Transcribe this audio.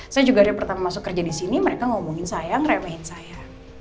saya juga dari pertama masuk kerja di sini mereka ngomongin saya ngeremehin saya